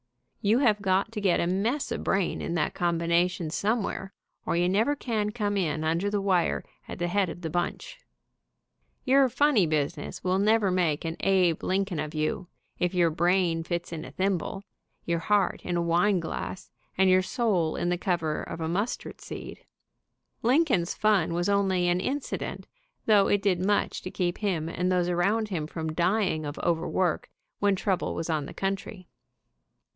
You have got to get a mess of brain in that combination, somewhere, or you never can come in under the wire at the head of the bunch. Your funny business will never make an Abe Lincoln WANTS TO BE A HERO 169 of you, if your brain fits in a thimble, your heart in a wine glass, and your soul in the cover of a mustard seed. Lincoln's fun was only an incident, though it did much to keep him and those around him from dying of overwork when trouble was on the country.